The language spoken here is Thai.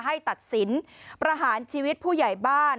ให้ตัดสินประหารชีวิตผู้ใหญ่บ้าน